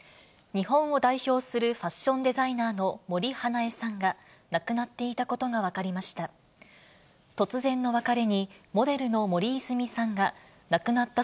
日本を代表するファッションデザイナーの森英恵さんが亡くなっていたことが分かりました。